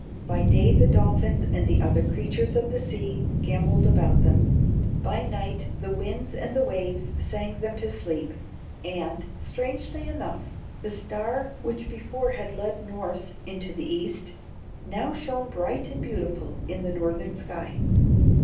By day the dolphins and the other creatures of the sea gambolled about them; by night the winds and the waves sang them to sleep; and, strangely enough, the Star which before had led Norss into the East, now shone bright and beautiful in the Northern sky!